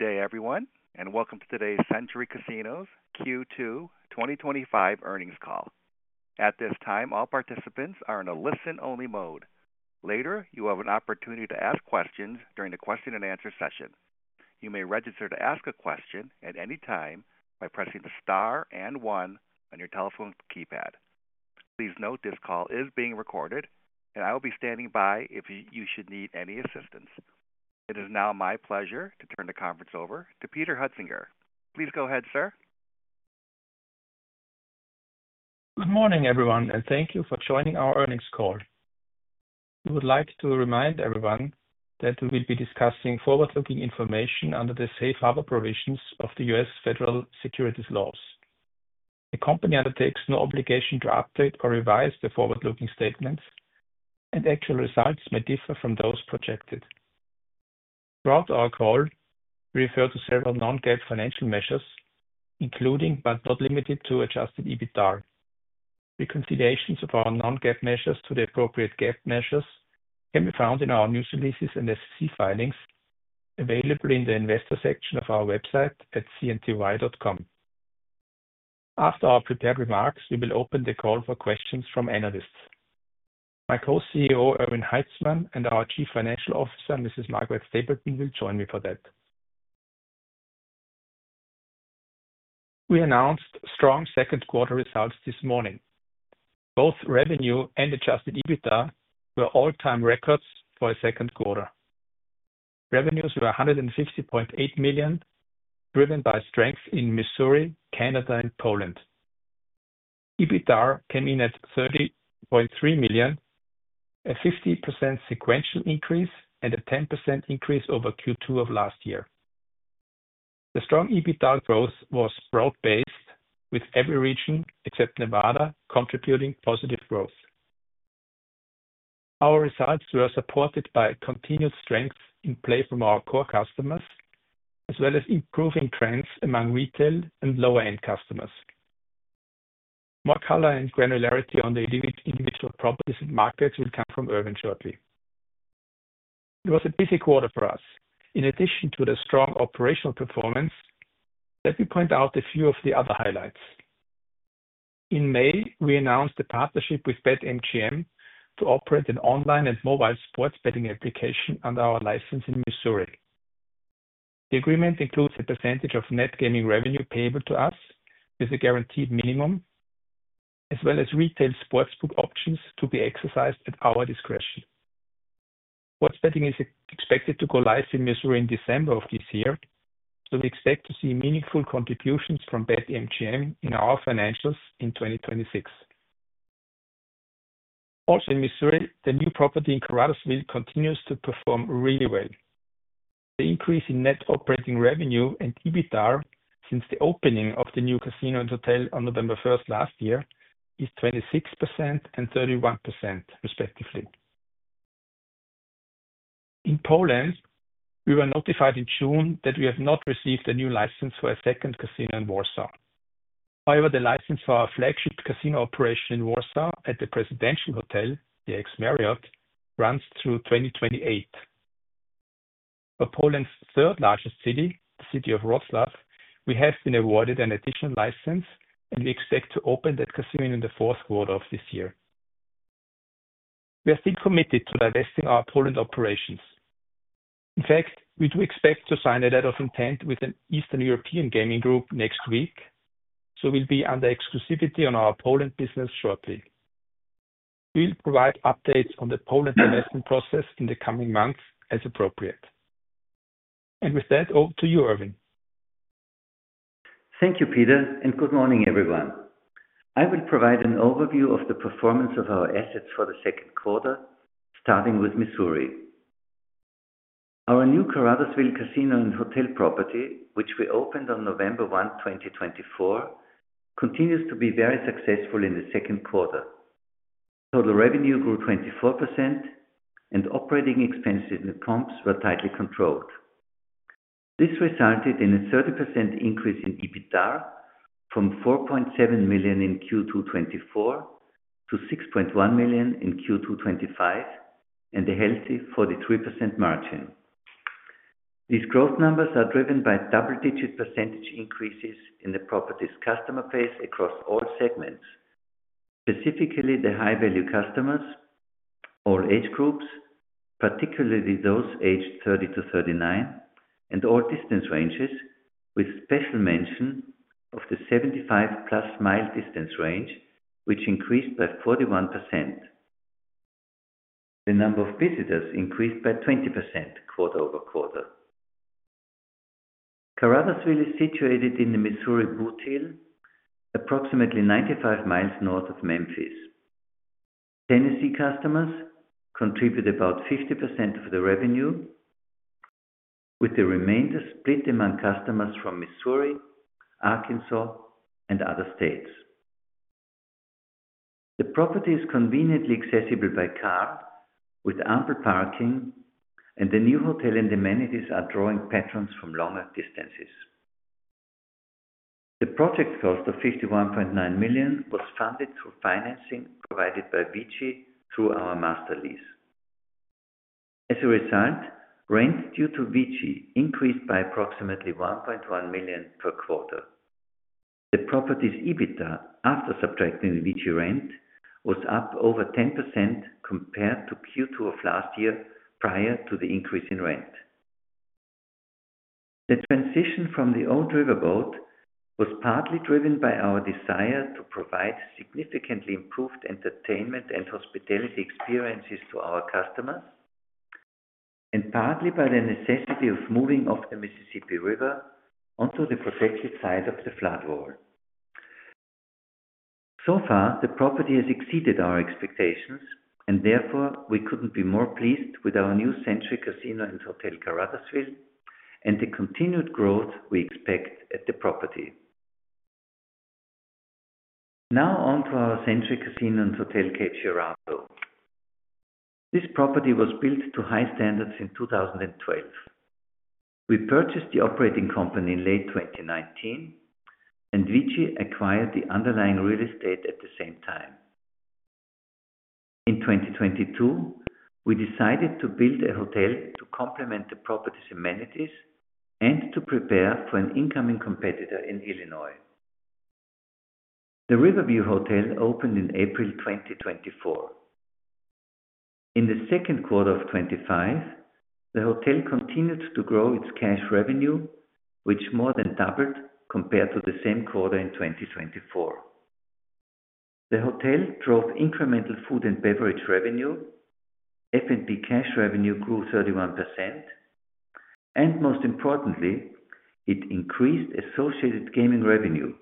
Good day, everyone, and welcome to today's Century Casinos Q2 2025 Earnings Call. At this time, all participants are in a listen-only mode. Later, you will have an opportunity to ask questions during the question and answer session. You may register to ask a question at any time by pressing the star and one on your telephone keypad. Please note this call is being recorded, and I will be standing by if you should need any assistance. It is now my pleasure to turn the conference over to Peter Hoetzinger. Please go ahead, sir. Good morning, everyone, and thank you for joining our earnings call. We would like to remind everyone that we will be discussing forward-looking information under the safe harbor provisions of the U.S. Federal Securities Laws. The company undertakes no obligation to update or revise the forward-looking statements, and actual results may differ from those projected. Throughout our call, we refer to several non-GAAP financial measures, including but not limited to adjusted EBITDA. Reconciliations of our non-GAAP measures to the appropriate GAAP measures can be found in our news releases and SEC filings available in the investor section of our website at cnty.com. After our prepared remarks, we will open the call for questions from analysts. My Co-CEO, Erwin Haitzmann, and our Chief Financial Officer, Mrs. Margaret Stapleton, will join me for that. We announced strong second-quarter results this morning. Both revenue and adjusted EBITDA were all-time records for the second quarter. Revenues were $150.8 million, driven by strength in Missouri, Canada, and Poland. EBITDA came in at $30.3 million, a 50% sequential increase and a 10% increase over Q2 of last year. The strong EBITDA growth was broad-based, with every region except Nevada contributing positive growth. Our results were supported by continued strength in play from our core customers, as well as improving trends among retail and lower-end customers. More color and granularity on the individual properties and markets will come from Erwin shortly. It was a busy quarter for us. In addition to the strong operational performance, let me point out a few of the other highlights. In May, we announced a partnership with BetMGM to operate an online and mobile sports betting application under our license in Missouri. The agreement includes a percentage of net gaming revenue payable to us as a guaranteed minimum, as well as retail sportsbook options to be exercised at our discretion. Sports betting is expected to go live in Missouri in December of this year. We expect to see meaningful contributions from BetMGM in our financials in 2026. Also in Missouri, the new property in Caruthersville continues to perform really well. The increase in net operating revenue and EBITDA since the opening of the new casino and hotel on November 1st last year is 26% and 31%, respectively. In Poland, we were notified in June that we have not received a new license for a second casino in Warsaw. However, the license for our flagship casino operation in Warsaw at the Presidential Hotel, the ex-Marriott, runs through 2028. For Poland's third-largest city, the city of Wrocław, we have been awarded an additional license, and we expect to open that casino in the fourth quarter of this year. We are still committed to divesting our Poland operations. In fact, we do expect to sign a letter of intent with an Eastern European gaming group next week, so we'll be under exclusivity on our Poland business shortly. We will provide updates on the Poland divestment process in the coming months as appropriate. With that, over to you, Erwin. Thank you, Peter, and good morning, everyone. I will provide an overview of the performance of our assets for the second quarter, starting with Missouri. Our new Caruthersville casino and hotel property, which we opened on November 1, 2024, continues to be very successful in the second quarter. Total revenue grew 24%, and operating expenses and comps were tightly controlled. This resulted in a 30% increase in EBITDA from $4.7 million in Q2 2024 to $6.1 million in Q2 2025 and a healthy 43% margin. These growth numbers are driven by double-digit % increases in the property's customer base across all segments, specifically the high-value customers, all age groups, particularly those aged 30-39, and all distance ranges, with special mention of the 75+ mi distance range, which increased by 41%. The number of visitors increased by 20% quarter-over-quarter. Caruthersville is situated in the Missouri Bootheel, approximately 95 mi north of Memphis. Tennessee customers contribute about 50% of the revenue, with the remainder split among customers from Missouri, Arkansas, and other states. The property is conveniently accessible by car, with ample parking, and the new hotel and amenities are drawing patrons from longer distances. The project cost of $51.9 million was funded through financing provided by VICI through our master lease. As a result, rent due to VICI increased by approximately $1.1 million per quarter. The property's EBITDA, after subtracting VICI rent, was up over 10% compared to Q2 of last year prior to the increase in rent. The transition from the old riverboat was partly driven by our desire to provide significantly improved entertainment and hospitality experiences to our customers, and partly by the necessity of moving off the Mississippi River onto the protected side of the flood wall. The property has exceeded our expectations, and therefore, we couldn't be more pleased with our new Century Casino and Hotel Caruthersville and the continued growth we expect at the property. Now on to our Century Casino and Hotel Cape Girardeau. This property was built to high standards in 2012. We purchased the operating company in late 2019, and VICI acquired the underlying real estate at the same time. In 2022, we decided to build a hotel to complement the property's amenities and to prepare for an incoming competitor in Illinois. The Riverview Hotel opened in April 2024. In the second quarter of 2025, the hotel continued to grow its cash revenue, which more than doubled compared to the same quarter in 2024. The hotel drove incremental food and beverage revenue, F&B cash revenue grew 31%, and most importantly, it increased associated gaming revenue,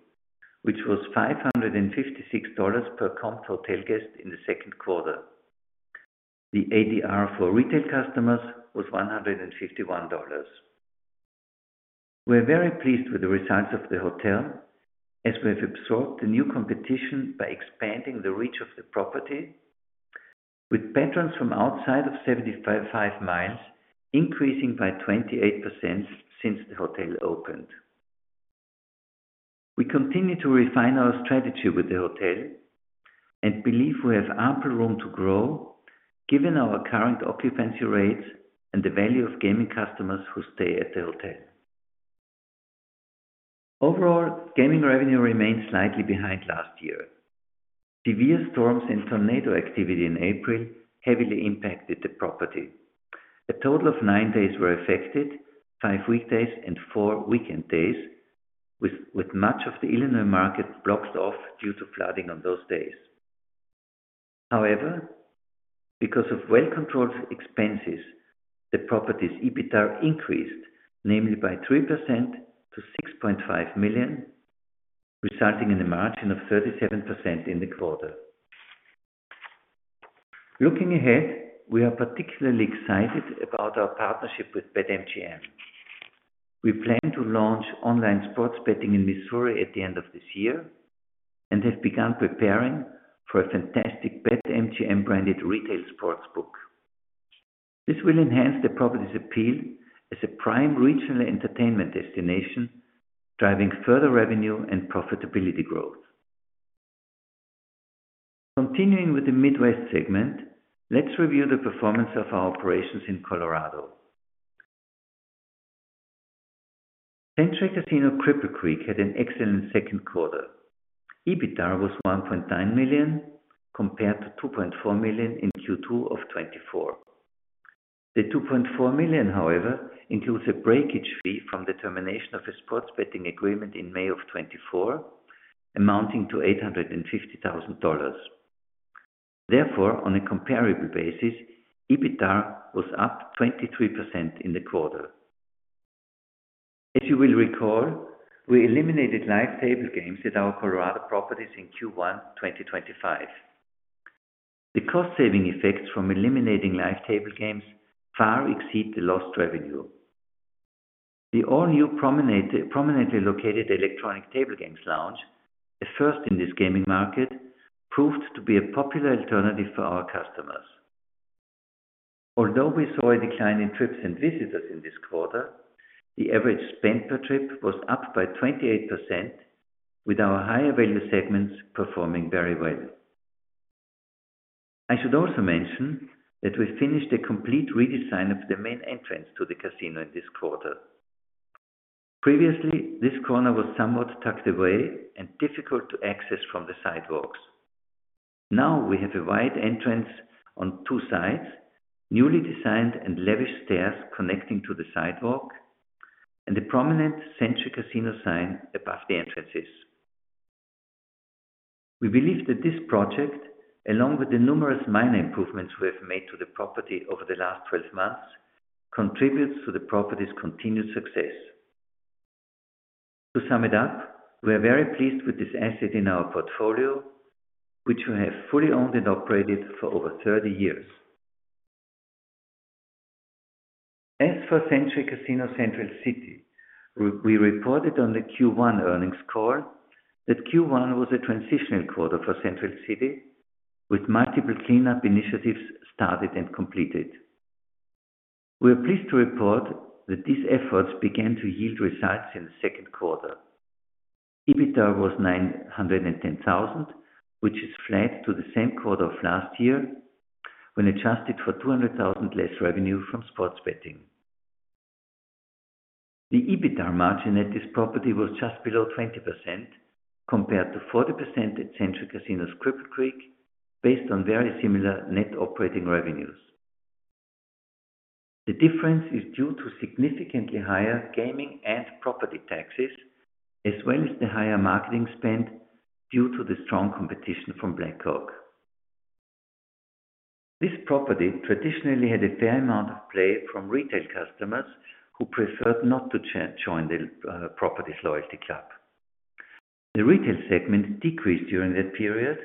which was $556 per comp to hotel guest in the second quarter. The ADR for retail customers was $151. We're very pleased with the results of the hotel, as we have absorbed the new competition by expanding the reach of the property, with patrons from outside of 75 mi increasing by 28% since the hotel opened. We continue to refine our strategy with the hotel and believe we have ample room to grow, given our current occupancy rates and the value of gaming customers who stay at the hotel. Overall, gaming revenue remains slightly behind last year. Severe storms and tornado activity in April heavily impacted the property. A total of nine days were affected, five weekdays and four weekend days, with much of the Illinois market blocked off due to flooding on those days. However, because of well-controlled expenses, the property's EBITDA increased namely by 3% to $6.5 million, resulting in a margin of 37% in the quarter. Looking ahead, we are particularly excited about our partnership with BetMGM. We plan to launch online sports betting in Missouri at the end of this year and have begun preparing for a fantastic BetMGM-branded retail sportsbook. This will enhance the property's appeal as a prime regional entertainment destination, driving further revenue and profitability growth. Continuing with the Midwest segment, let's review the performance of our operations in Colorado. Century Casino Cripple Creek had an excellent second quarter. EBITDA was $1.9 million compared to $2.4 million in Q2 of 2024. The $2.4 million, however, includes a breakage fee from the termination of a sports betting agreement in May of 2024, amounting to $850,000. Therefore, on a comparable basis, EBITDA was up 23% in the quarter. As you will recall, we eliminated live table games at our Colorado properties in Q1 2025. The cost-saving effects from eliminating live table games far exceed the lost revenue. The all-new prominently located electronic table games lounge, the first in this gaming market, proved to be a popular alternative for our customers. Although we saw a decline in trips and visitors in this quarter, the average spend per trip was up by 28%, with our higher-value segments performing very well. I should also mention that we finished a complete redesign of the main entrance to the casino in this quarter. Previously, this corner was somewhat tucked away and difficult to access from the sidewalks. Now, we have a wide entrance on two sides, newly designed and lavish stairs connecting to the sidewalk, and the prominent Century Casino sign above the entrances. We believe that this project, along with the numerous minor improvements we have made to the property over the last 12 months, contributes to the property's continued success. To sum it up, we are very pleased with this asset in our portfolio, which we have fully owned and operated for over 30 years. As for Century Casino Central City, we reported on the Q1 earnings call that Q1 was a transitional quarter for Central City, with multiple cleanup initiatives started and completed. We are pleased to report that these efforts began to yield results in the second quarter. EBITDA was $910,000, which is flat to the same quarter of last year when adjusted for $200,000 less revenue from sports betting. The EBITDA margin at this property was just below 20% compared to 40% at Century Casinos Cripple Creek, based on very similar net operating revenues. The difference is due to significantly higher gaming and property taxes, as well as the higher marketing spend due to the strong competition from Black Hawk. This property traditionally had a fair amount of play from retail customers who preferred not to join the property's loyalty club. The retail segment decreased during that period,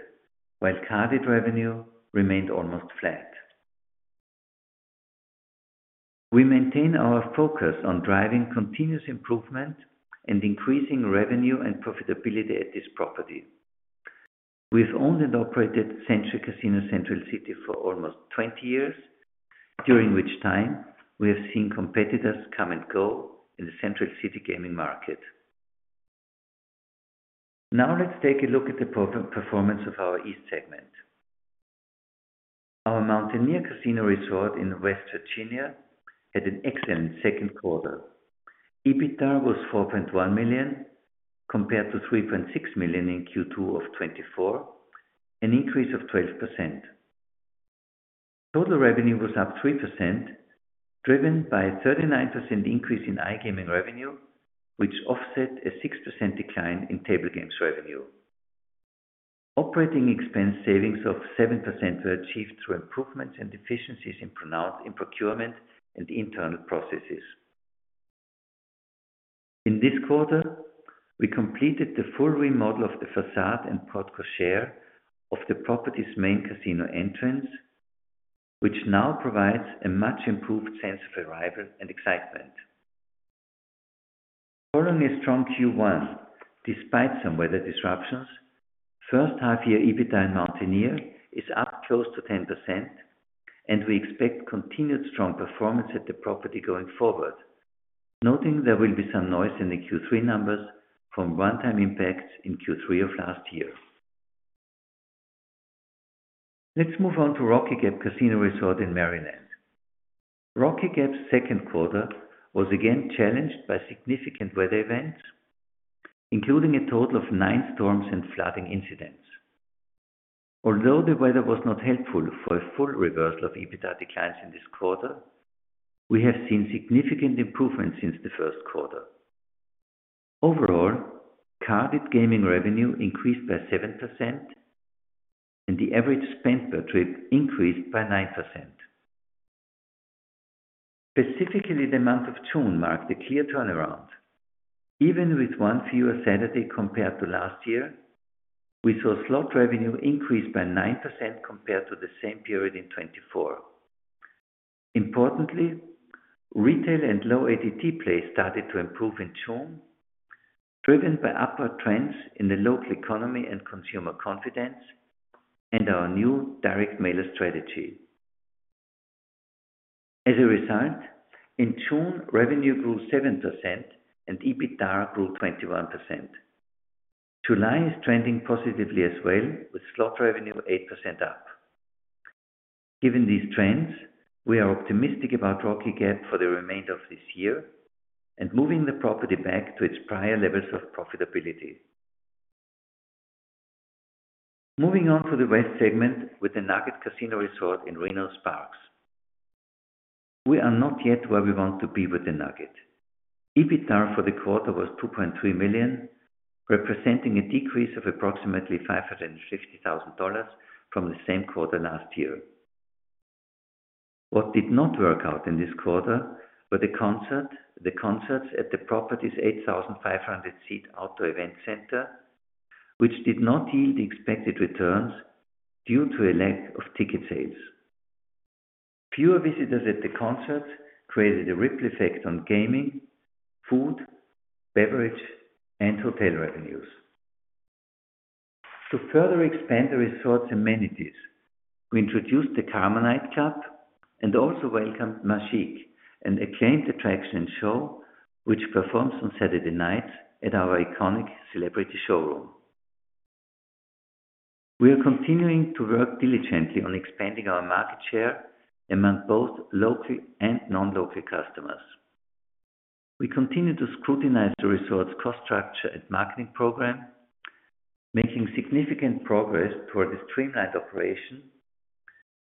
while card revenue remained almost flat. We maintain our focus on driving continuous improvement and increasing revenue and profitability at this property. We've owned and operated Century Casino Central City for almost 20 years, during which time we have seen competitors come and go in the Central City gaming market. Now let's take a look at the performance of our East segment. Our Mountaineer Casino Resort in West Virginia had an excellent second quarter. EBITDA was $4.1 million compared to $3.6 million in Q2 of 2024, an increase of 12%. Total revenue was up 3%, driven by a 39% increase in iGaming revenue, which offset a 6% decline in table games revenue. Operating expense savings of 7% were achieved through improvements and efficiencies in procurement and internal processes. In this quarter, we completed the full remodel of the façade and porte cochère of the property's main casino entrance, which now provides a much-improved sense of arrival and excitement. Following a strong Q1, despite some weather disruptions, first half-year EBITDA in Mountaineer is up close to 10%, and we expect continued strong performance at the property going forward, noting there will be some noise in the Q3 numbers from one-time impacts in Q3 of last year. Let's move on to Rocky Gap Casino Resort in Maryland. Rocky Gap's second quarter was again challenged by significant weather events, including a total of nine storms and flooding incidents. Although the weather was not helpful for a full reversal of EBITDA declines in this quarter, we have seen significant improvements since the first quarter. Overall, carded gaming revenue increased by 7%, and the average spend per trip increased by 9%. Specifically, the month of June marked a clear turnaround. Even with one fewer Saturday compared to last year, we saw slot revenue increase by 9% compared to the same period in 2024. Importantly, retail and low ADT plays started to improve in June, driven by upward trends in the local economy and consumer confidence and our new direct mailer strategy. As a result, in June, revenue grew 7% and EBITDA grew 21%. July is trending positively as well, with slot revenue 8% up. Given these trends, we are optimistic about Rocky Gap for the remainder of this year and moving the property back to its prior levels of profitability. Moving on for the West segment with the Nugget Casino Resort in Reno-Sparks. We are not yet where we want to be with the Nugget. EBITDA for the quarter was $2.3 million, representing a decrease of approximately $550,000 from the same quarter last year. What did not work out in this quarter were the concerts at the property's 8,500-seat outdoor event center, which did not yield the expected returns due to a lack of ticket sales. Fewer visitors at the concerts created a ripple effect on gaming, food, beverage, and hotel revenues. To further expand the resort's amenities, we introduced the Karma Night Club and also welcomed Magique, an acclaimed attraction and show which performs on Saturday nights at our iconic celebrity showroom. We are continuing to work diligently on expanding our market share among both local and non-local customers. We continue to scrutinize the resort's cost structure and marketing program, making significant progress toward a streamlined operation,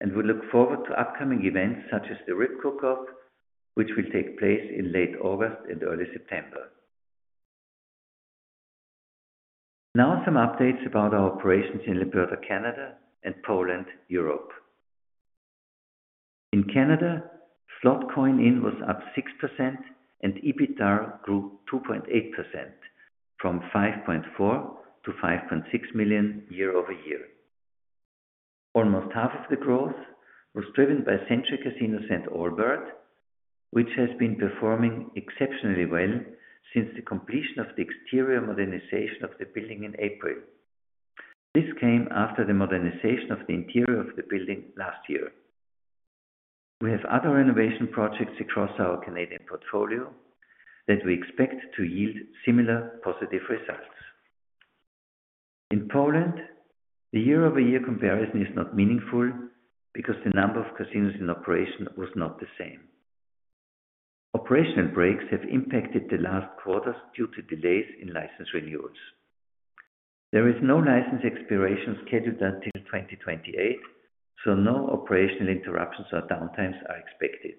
and we look forward to upcoming events such as the Rib Cook Off, which will take place in late August and early September. Now some updates about our operations in Alberta, Canada, and Poland, Europe. In Canada, slot coin-in was up 6% and EBITDA grew 2.8% from $5.4 million-$5.6 million year-over-year. Almost half of the growth was driven by Century Casino St. Albert, which has been performing exceptionally well since the completion of the exterior modernization of the building in April. This came after the modernization of the interior of the building last year. We have other renovation projects across our Canadian portfolio that we expect to yield similar positive results. In Poland, the year-over-year comparison is not meaningful because the number of casinos in operation was not the same. Operational breaks have impacted the last quarters due to delays in license renewals. There is no license expiration scheduled until 2028, so no operational interruptions or downtimes are expected.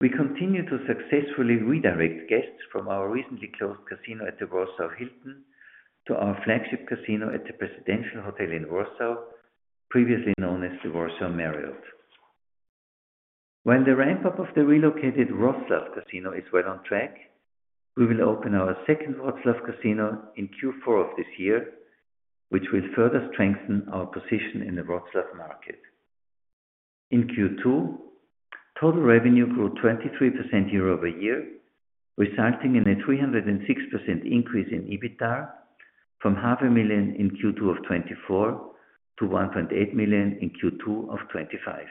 We continue to successfully redirect guests from our recently closed casino at the Warsaw Hilton to our flagship casino at the Presidential Hotel in Warsaw, previously known as the Warsaw Marriott. While the ramp-up of the relocated Wrocław Casino is well on track, we will open our second Wrocław Casino in Q4 of this year, which will further strengthen our position in the Wrocław market. In Q2, total revenue grew 23% year-over-year, resulting in a 306% increase in EBITDA from $0.5 million in Q2 of 2024 to $1.8 million in Q2 of 2025.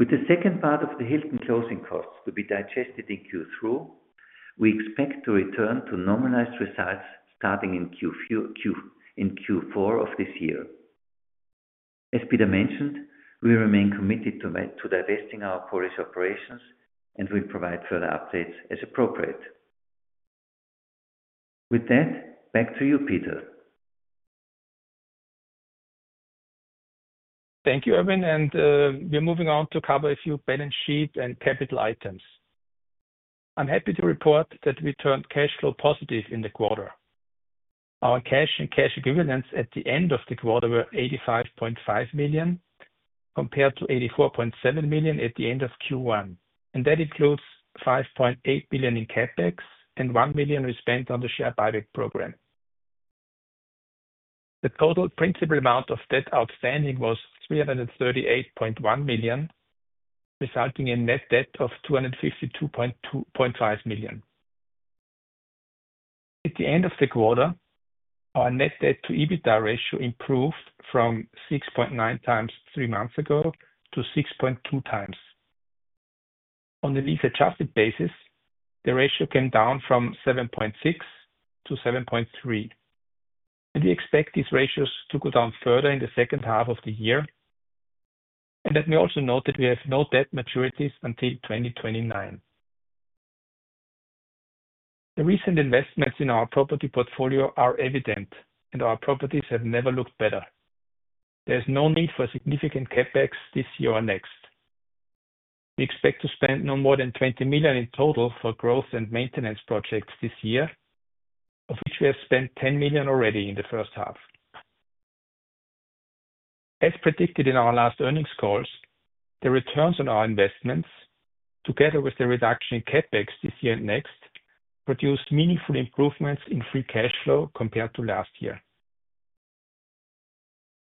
With the second part of the Hilton closing costs to be digested in Q3, we expect to return to normalized results starting in Q4 of this year. As Peter mentioned, we remain committed to divesting our Polish operations and will provide further updates as appropriate. With that, back to you, Peter. Thank you, Erwin, and we're moving on to cover a few balance sheet and capital items. I'm happy to report that we turned cash flow positive in the quarter. Our cash and cash equivalents at the end of the quarter were $85.5 million compared to $84.7 million at the end of Q1. That includes $5.8 million in CapEx and $1 million we spent on the share buyback program. The total principal amount of debt outstanding was $338.1 million, resulting in a net debt of $252.5 million. At the end of the quarter, our net debt to EBITDA ratio improved from 6.9x three months ago to 6.2x. On the lease-adjusted basis, the ratio came down from 7.6x to 7.3x, and we expect these ratios to go down further in the second half of the year. Let me also note that we have no debt maturities until 2029. The recent investments in our property portfolio are evident, and our properties have never looked better. There's no need for significant CapEx this year or next. We expect to spend no more than $20 million in total for growth and maintenance projects this year, of which we have spent $10 million already in the first half. As predicted in our last earnings calls, the returns on our investments, together with the reduction in CapEx this year and next, produced meaningful improvements in free cash flow compared to last year.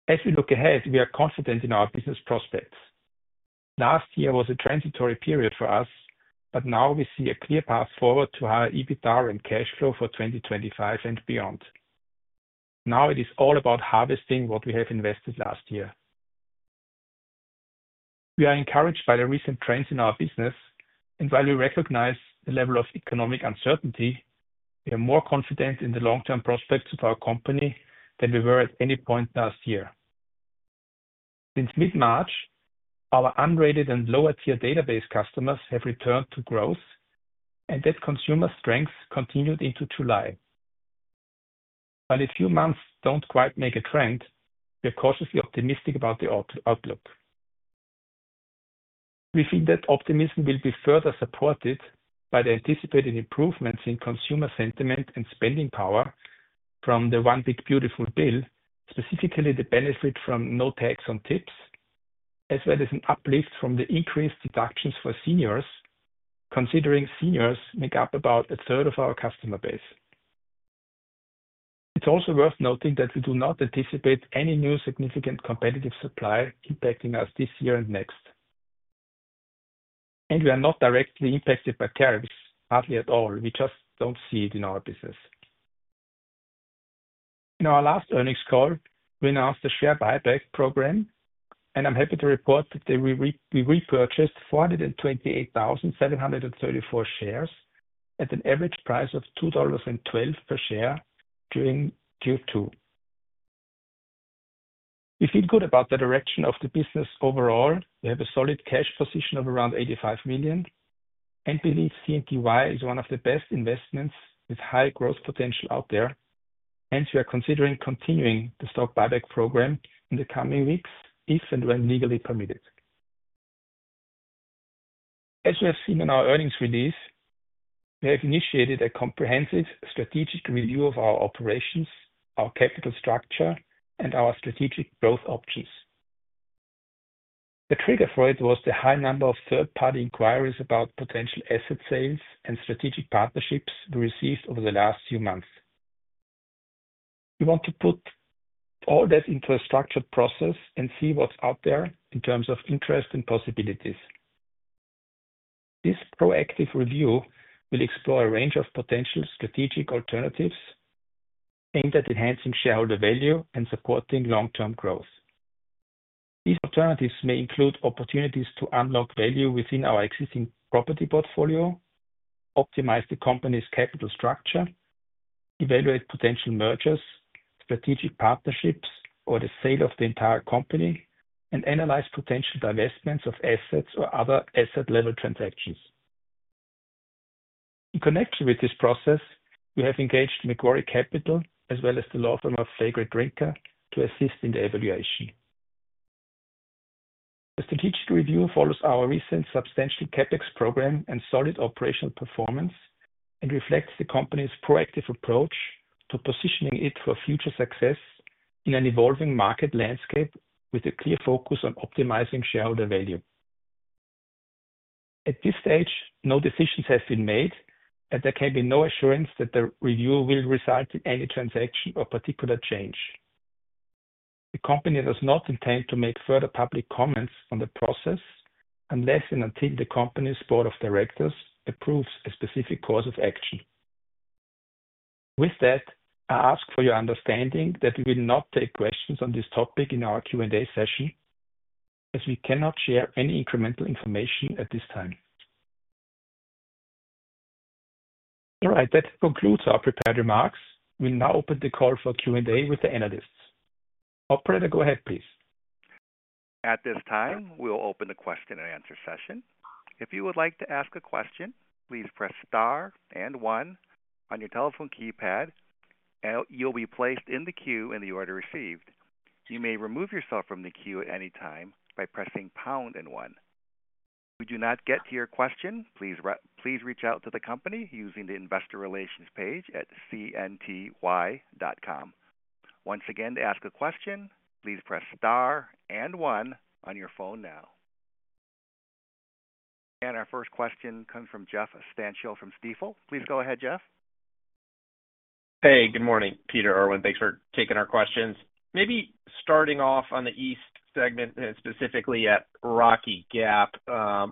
As we look ahead, we are confident in our business prospects. Last year was a transitory period for us, but now we see a clear path forward to higher EBITDA and cash flow for 2025 and beyond. Now it is all about harvesting what we have invested last year. We are encouraged by the recent trends in our business, and while we recognize the level of economic uncertainty, we are more confident in the long-term prospects of our company than we were at any point last year. Since mid-March, our unrated and lower-tier database customers have returned to growth, and that consumer strength continued into July. While a few months don't quite make a trend, we are cautiously optimistic about the outlook. We feel that optimism will be further supported by the anticipated improvements in consumer sentiment and spending power from the One Big Beautiful Bill, specifically the benefit from no tax on tips, as well as an uplift from the increased deductions for seniors, considering seniors make up about a third of our customer base. It's also worth noting that we do not anticipate any new significant competitive supply impacting us this year and next. We are not directly impacted by tariffs, hardly at all. We just do not see it in our business. In our last earnings call, we announced the share buyback program, and I am happy to report that we repurchased 428,734 shares at an average price of $2.12 per share during Q2. We feel good about the direction of the business overall. We have a solid cash position of around $85 million and believe CNTY is one of the best investments with high growth potential out there. We are considering continuing the stock buyback program in the coming weeks if and when legally permitted. As we have seen in our earnings release, we have initiated a comprehensive strategic review of our operations, our capital structure, and our strategic growth options. The trigger for it was the high number of third-party inquiries about potential asset sales and strategic partnerships we received over the last few months. We want to put all that into a structured process and see what is out there in terms of interest and possibilities. This proactive review will explore a range of potential strategic alternatives aimed at enhancing shareholder value and supporting long-term growth. These alternatives may include opportunities to unlock value within our existing property portfolio, optimize the company's capital structure, evaluate potential mergers, strategic partnerships, or the sale of the entire company, and analyze potential divestments of assets or other asset-level transactions. In connection with this process, we have engaged Macquarie Capital, as well as the law firm of Faegre Drinker, to assist in the evaluation. The strategic review follows our recent substantial CapEx program and solid operational performance and reflects the company's proactive approach to positioning it for future success in an evolving market landscape with a clear focus on optimizing shareholder value. At this stage, no decisions have been made, and there can be no assurance that the review will result in any transaction or particular change. The company does not intend to make further public comments on the process unless and until the company's board of directors approves a specific course of action. I ask for your understanding that we will not take questions on this topic in our Q&A session, as we cannot share any incremental information at this time. That concludes our prepared remarks. We will now open the call for Q&A with the analysts. Operator, go ahead, please. At this time, we'll open the question and answer session. If you would like to ask a question, please press star and one on your telephone keypad. You'll be placed in the queue in the order received. You may remove yourself from the queue at any time by pressing pound and one. If we do not get to your question, please reach out to the company using the Investor Relations page at cnty.com. Once again, to ask a question, please press star and one on your phone now. Our first question comes from Jeff Stantial from Stifel. Please go ahead, Jeff. Hey, good morning, Peter, Erwin. Thanks for taking our questions. Maybe starting off on the East segment and specifically at Rocky Gap,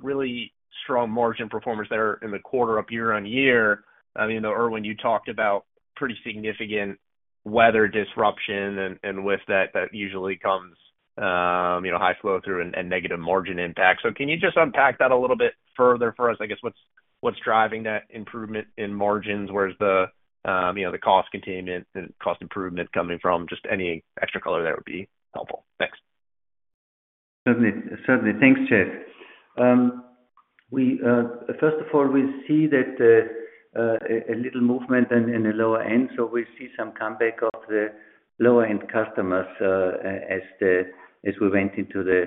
really strong margin performers that are in the quarter up year on year. Erwin, you talked about pretty significant weather disruption and with that, that usually comes high flow through and negative margin impact. Can you just unpack that a little bit further for us? I guess what's driving that improvement in margins? Where's the cost containment and cost improvement coming from? Just any extra color that would be helpful. Thanks. Certainly, certainly. Thanks, Jeff. First of all, we see a little movement in the lower end, so we see some comeback of the lower-end customers as we went into the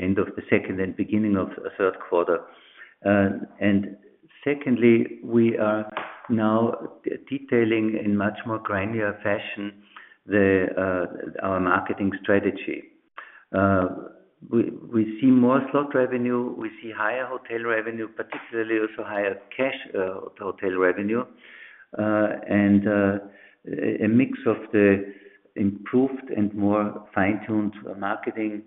end of the second and beginning of the third quarter. Secondly, we are now detailing in a much more granular fashion our marketing strategy. We see more slot revenue, higher hotel revenue, particularly also higher cash hotel revenue, and a mix of the improved and more fine-tuned marketing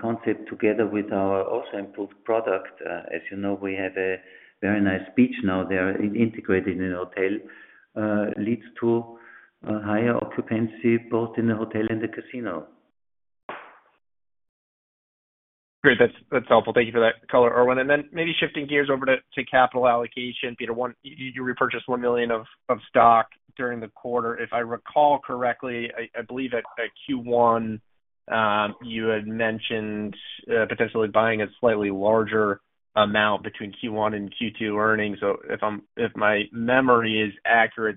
concept together with our also improved product. As you know, we have a very nice beach now there integrated in the hotel, which leads to a higher occupancy both in the hotel and the casino. Great. That's helpful. Thank you for that color, Erwin. Maybe shifting gears over to capital allocation, Peter, you repurchased $1 million of stock during the quarter. If I recall correctly, I believe at Q1, you had mentioned potentially buying a slightly larger amount between Q1 and Q2 earnings. If my memory is accurate,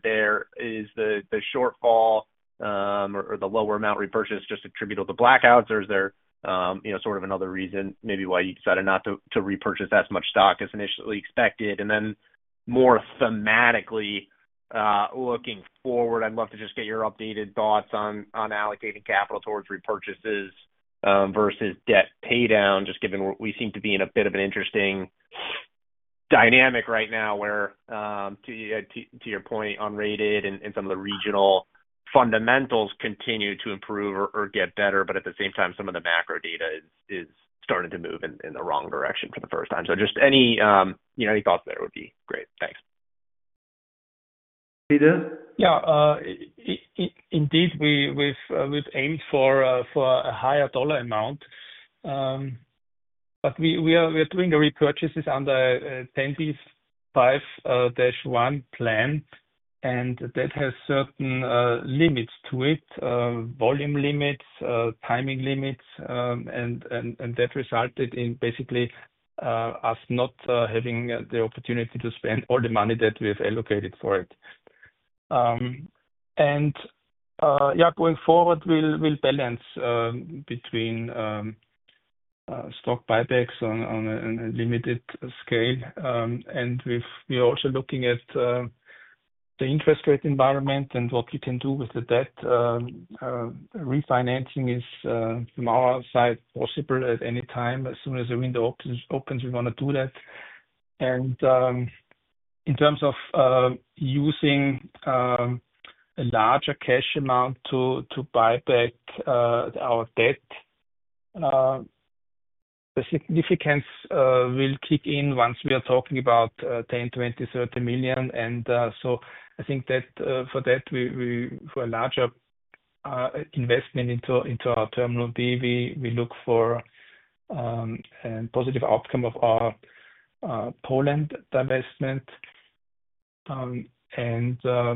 is the shortfall or the lower amount repurchase just attributable to blackouts, or is there another reason maybe why you decided not to repurchase as much stock as initially expected? More thematically, looking forward, I'd love to just get your updated thoughts on allocating capital towards repurchases versus debt paydown, just given we seem to be in a bit of an interesting dynamic right now where, to your point, unrated and some of the regional fundamentals continue to improve or get better, but at the same time, some of the macro data is starting to move in the wrong direction for the first time. Any thoughts there would be great. Thanks. Peter. Yeah. Indeed, we've aimed for a higher dollar amount, but we are doing the repurchases under a 10b5-1 plan, and that has certain limits to it, volume limits, timing limits, and that resulted in basically us not having the opportunity to spend all the money that we have allocated for it. Going forward, we'll balance between stock buybacks on a limited scale, and we're also looking at the interest rate environment and what we can do with the debt. Refinancing is, from our side, possible at any time. As soon as the window opens, we want to do that. In terms of using a larger cash amount to buy back our debt, the significance will kick in once we are talking about $10 million, $20 million, $30 million. I think that for that, for a larger investment into our terminal B, we look for a positive outcome of our Poland divestment. I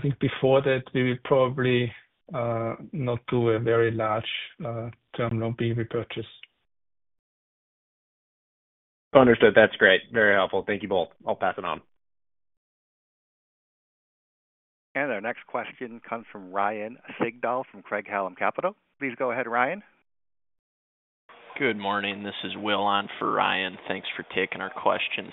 think before that, we will probably not do a very large terminal B repurchase. Understood. That's great. Very helpful. Thank you both. I'll pass it on. Our next question comes from Ryan Sigdahl from Craig-Hallum Capital. Please go ahead, Ryan. Good morning. This is Will on for Ryan. Thanks for taking our questions.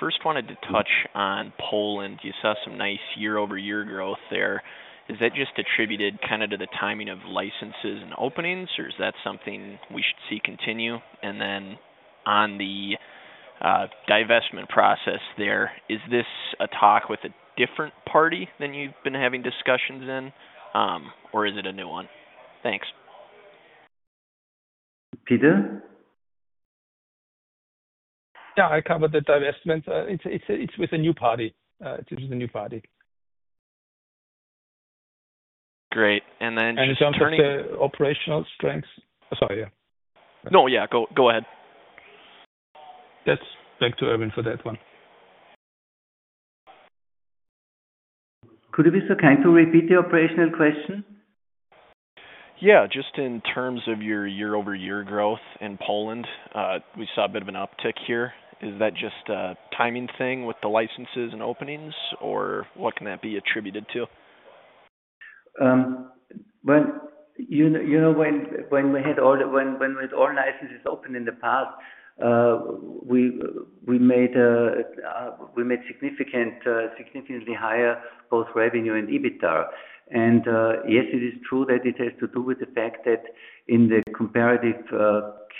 First, I wanted to touch on Poland. You saw some nice year-over-year growth there. Is that just attributed kind of to the timing of licenses and openings, or is that something we should see continue? On the divestment process there, is this a talk with a different party than you've been having discussions in, or is it a new one? Thanks. Yeah. I covered the divestment. It's with a new party. It's with a new party. Great. Then. Is that in terms of operational strengths? Sorry, yeah. Yeah, go ahead. That's back to Erwin for that one. Could we be so kind to repeat the operational question? Yeah, just in terms of your year-over-year growth in Poland, we saw a bit of an uptick here. Is that just a timing thing with the licenses and openings, or what can that be attributed to? When we had all licenses open in the past, we made significantly higher both revenue and EBITDA. Yes, it is true that it has to do with the fact that in the comparative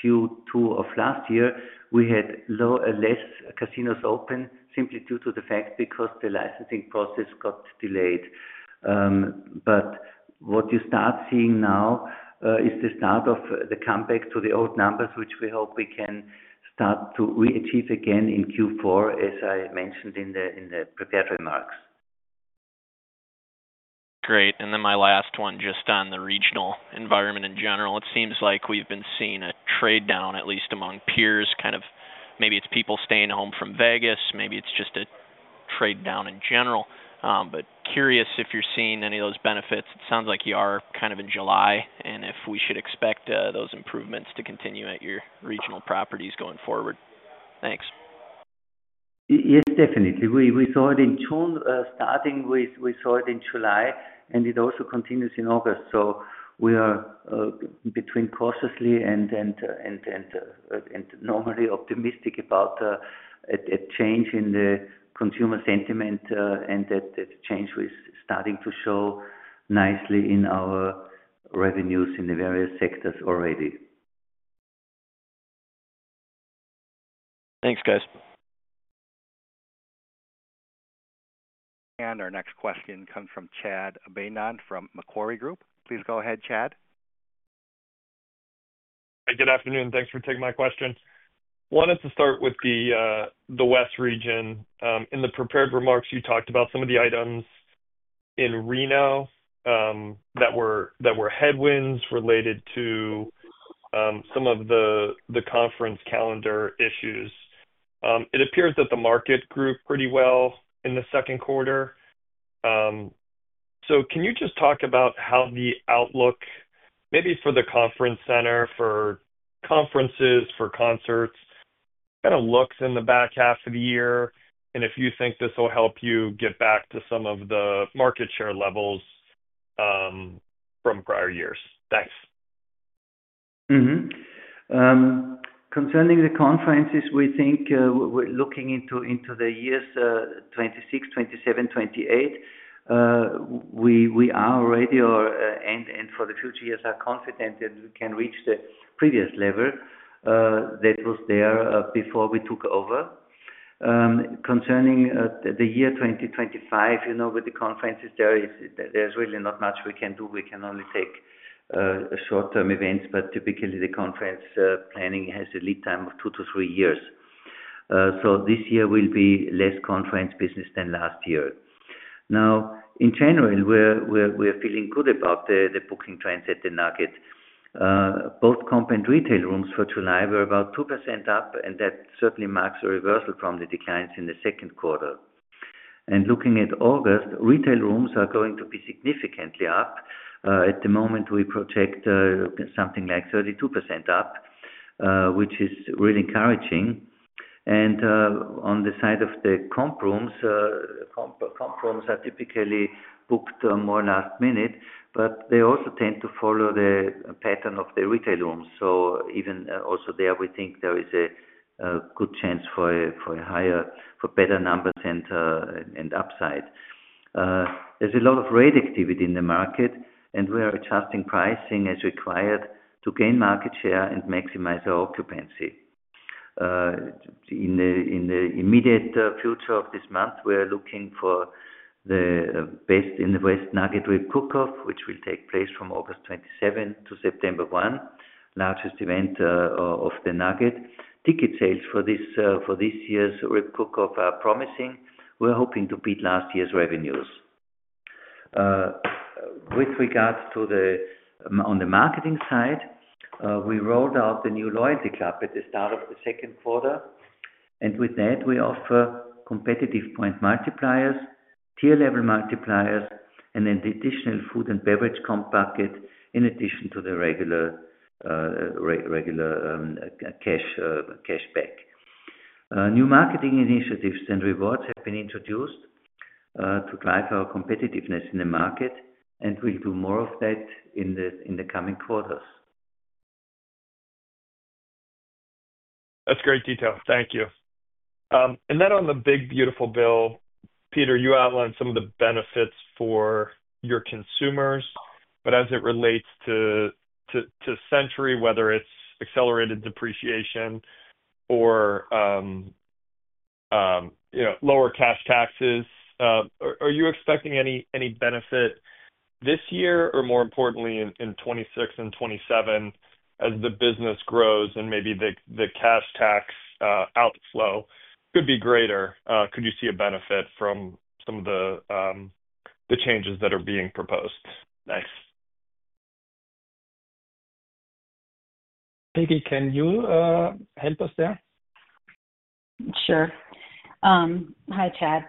Q2 of last year, we had less casinos open simply due to the fact because the licensing process got delayed. What you start seeing now is the start of the comeback to the old numbers, which we hope we can start to reach again in Q4, as I mentioned in the prepared remarks. Great. My last one just on the regional environment in general. It seems like we've been seeing a trade down, at least among peers. Maybe it's people staying home from Vegas. Maybe it's just a trade down in general. Curious if you're seeing any of those benefits. It sounds like you are in July, and if we should expect those improvements to continue at your regional properties going forward. Thanks. Yes, definitely. We saw it in June, we saw it in July, and it also continues in August. We are between cautiously and normally optimistic about a change in the consumer sentiment, and that change is starting to show nicely in our revenues in the various sectors already. Thanks, guys. Our next question comes from Chad Beynon from Macquarie Group. Please go ahead, Chad. Hi, good afternoon. Thanks for taking my question. I wanted to start with the West region. In the prepared remarks, you talked about some of the items in Reno that were headwinds related to some of the conference calendar issues. It appears that the market grew pretty well in the second quarter. Can you just talk about how the outlook, maybe for the conference center, for conferences, for concerts, kind of looks in the back half of the year, and if you think this will help you get back to some of the market share levels from prior years? Thanks. Concerning the conferences, we think we're looking into the years 2026, 2027, 2028. We are already, and for the future years, are confident that we can reach the previous level that was there before we took over. Concerning the year 2025, you know, with the conferences, there is really not much we can do. We can only take short-term events, but typically, the conference planning has a lead time of two to three years. This year will be less conference business than last year. In general, we're feeling good about the booking trends at the Nugget. Both comp and retail rooms for July were about 2% up, and that certainly marks a reversal from the declines in the second quarter. Looking at August, retail rooms are going to be significantly up. At the moment, we project something like 32% up, which is really encouraging. On the side of the comp rooms, comp rooms are typically booked more than a minute, but they also tend to follow the pattern of the retail rooms. Even also there, we think there is a good chance for a higher, for better numbers and upside. There's a lot of rate activity in the market, and we are adjusting pricing as required to gain market share and maximize our occupancy. In the immediate future of this month, we are looking for the Best in the West Nugget Rib Cook Off, which will take place from August 27 to September 1, largest event of the Nugget. Ticket sales for this year's Rib Cook Off are promising. We're hoping to beat last year's revenues. With regards to the marketing side, we rolled out the new loyalty club at the start of the second quarter. With that, we offer competitive point multipliers, tier-level multipliers, and then the additional food and beverage comp packet in addition to the regular cashback. New marketing initiatives and rewards have been introduced to drive our competitiveness in the market, and we'll do more of that in the coming quarters. That's great detail. Thank you. On the Big Beautiful Bill, Peter, you outlined some of the benefits for your consumers. As it relates to Century Casinos, whether it's accelerated depreciation or lower cash taxes, are you expecting any benefit this year, or more importantly, in 2026 and 2027, as the business grows and maybe the cash tax outflow could be greater? Could you see a benefit from some of the changes that are being proposed? Thank you. Can you help us there? Sure. Hi, Chad.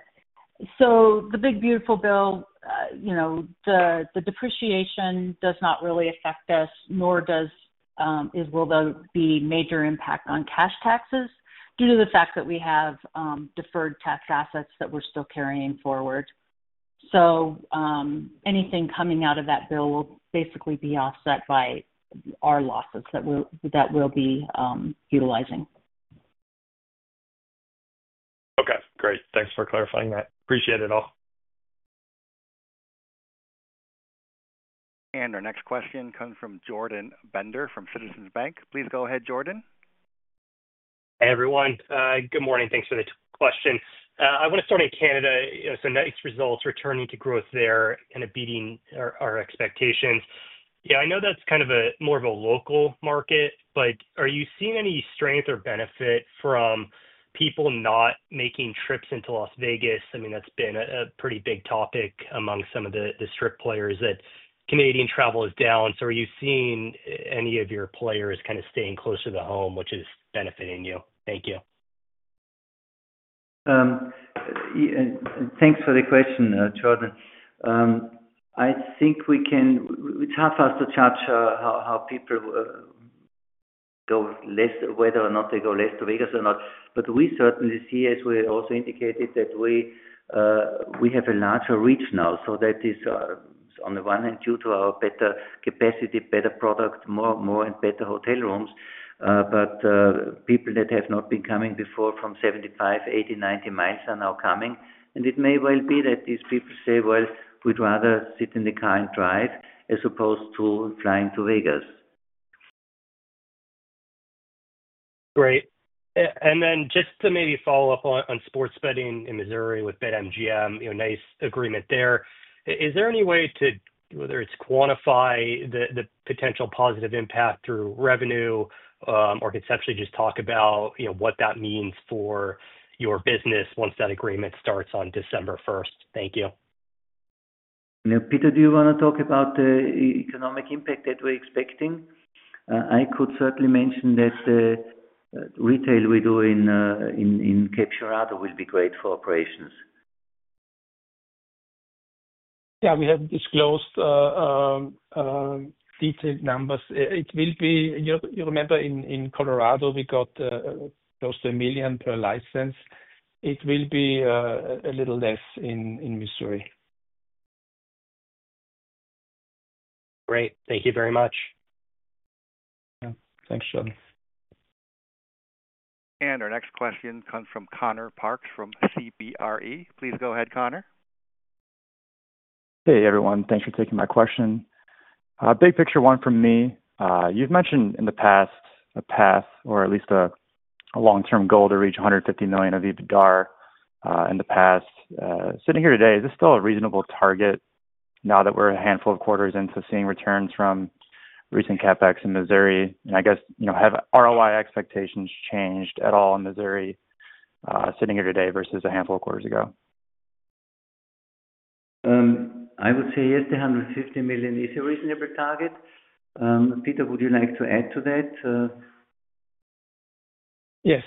The Big Beautiful Bill, you know, the depreciation does not really affect us, nor will it be a major impact on cash taxes due to the fact that we have deferred tax assets that we're still carrying forward. Anything coming out of that bill will basically be offset by our losses that we'll be utilizing. Okay. Great. Thanks for clarifying that. Appreciate it all. Our next question comes from Jordan Bender from Citizens Bank. Please go ahead, Jordan. Hey, everyone. Good morning. Thanks for the question. I want to start in Canada. Some nice results returning to growth there, kind of beating our expectations. I know that's kind of more of a local market, but are you seeing any strength or benefit from people not making trips into Las Vegas? That's been a pretty big topic among some of the strip players that Canadian travel is down. Are you seeing any of your players staying closer to home, which is benefiting you? Thank you. Thanks for the question, Jordan. I think we can, it's hard for us to judge how people go less, whether or not they go less to Vegas or not. We certainly see, as we also indicated, that we have a larger reach now. That is on the one hand due to our better capacity, better product, more and better hotel rooms. People that have not been coming before from 75 mi, 80 mi, 90 mi are now coming. It may well be that these people say they'd rather sit in the car and drive as opposed to flying to Vegas. Great. Just to maybe follow up on sports betting in Missouri with BetMGM, you know, nice agreement there. Is there any way to, whether it's quantify the potential positive impact through revenue or conceptually just talk about, you know, what that means for your business once that agreement starts on December 1? Thank you. Peter, do you want to talk about the economic impact that we're expecting? I could certainly mention that the retail we do in Cape Girardeau will be great for operations. Yeah, we have disclosed detailed numbers. You remember, in Colorado, we got close to $1 million per license. It will be a little less in Missouri. Great. Thank you very much. Yeah, thanks, Jordan. Our next question comes from Connor Parks from CBRE. Please go ahead, Connor. Hey, everyone. Thanks for taking my question. Big picture one from me. You've mentioned in the past a path or at least a long-term goal to reach $150 million of EBITDA in the past. Sitting here today, is this still a reasonable target now that we're a handful of quarters in, seeing returns from recent CapEx in Missouri? I guess, have ROI expectations changed at all in Missouri sitting here today versus a handful of quarters ago? I would say yes, the $150 million is a reasonable target. Peter, would you like to add to that? Yes.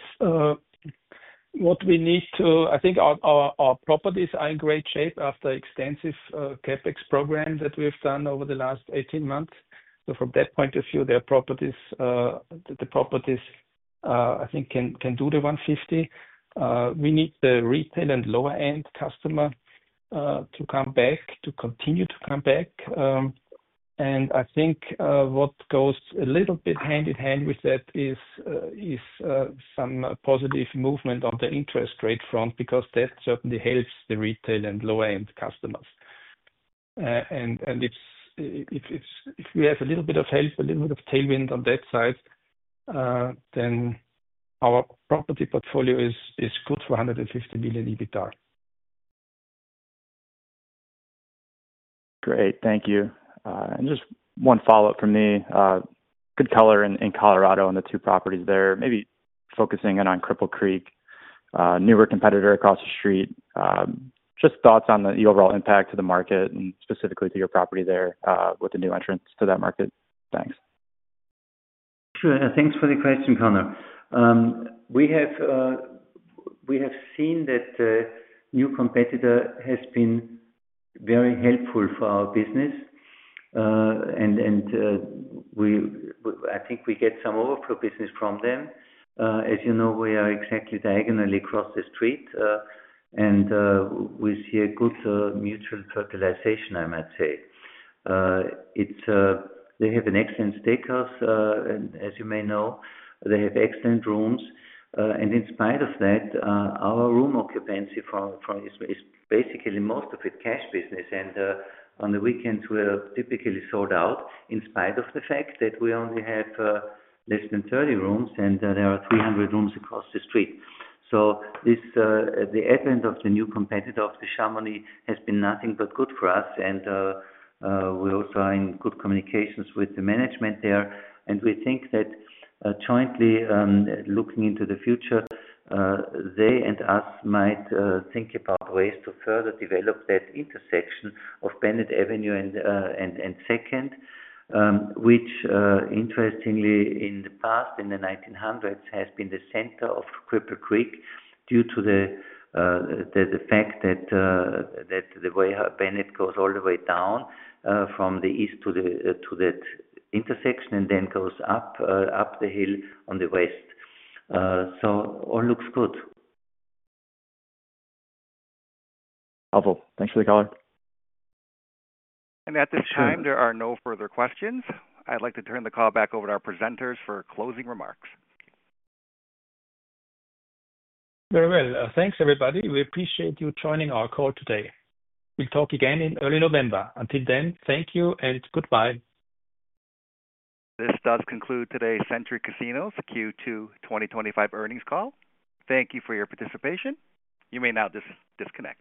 What we need to, I think our properties are in great shape after the extensive CapEx program that we've done over the last 18 months. From that point of view, the properties, I think, can do the $150 million. We need the retail and lower-end customer to come back, to continue to come back. I think what goes a little bit hand in hand with that is some positive movement on the interest rate front because that certainly helps the retail and lower-end customers. If we have a little bit of help, a little bit of tailwind on that side, then our property portfolio is good for $150 million EBITDA. Great. Thank you. Just one follow-up from me. Good color in Colorado on the two properties there. Maybe focusing in on Cripple Creek, a newer competitor across the street. Just thoughts on the overall impact to the market and specifically to your property there with the new entrance to that market. Thanks. Sure. Thanks for the question, Connor. We have seen that the new competitor has been very helpful for our business. I think we get some overflow business from them. As you know, we are exactly diagonally across the street, and we see a good mutual fertilization, I might say. They have an excellent steakhouse, and as you may know, they have excellent rooms. In spite of that, our room occupancy is basically most of it cash business. On the weekends, we are typically sold out in spite of the fact that we only have less than 30 rooms, and there are 300 rooms across the street. The advent of the new competitor, the Chamonix, has been nothing but good for us. We also are in good communications with the management there. We think that jointly, looking into the future, they and us might think about ways to further develop that intersection of Bennett Avenue and second, which interestingly, in the past, in the 1900s, has been the center of Cripple Creek due to the fact that the way Bennett goes all the way down from the east to that intersection and then goes up the hill on the west. All looks good. Helpful. Thanks for the call. At this time, there are no further questions. I'd like to turn the call back over to our presenters for closing remarks. Very well. Thanks, everybody. We appreciate you joining our call today. We'll talk again in early November. Until then, thank you and goodbye. This does conclude today's Century Casinos Q2 2025 Earnings Call. Thank you for your participation. You may now disconnect.